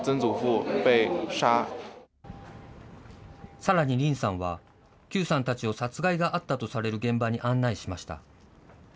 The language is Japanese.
さらに林さんは、邱さんたちを殺害があったとされる現場に案内しました。